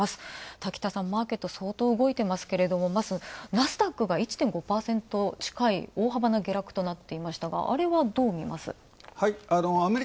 滝田さんマーケット動いていますけれど、まず、ナスダックが１．５％近い大幅な下落となってますが、あれはどう見ます？